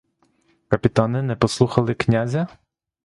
Капітани не послухали князя?